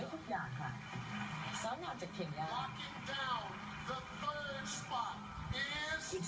ข้อมูลเข้ามาดูครับ